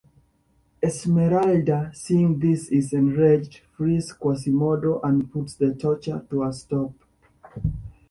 Esmeralda seeing this is enraged, frees Quasimodo and puts the torture to a stop.